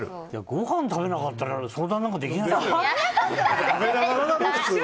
ごはん食べなかったら相談なんかできないでしょ。